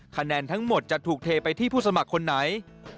คะแนนทั้งหมดจะถูกเทไปที่ผู้สมัครคนไหน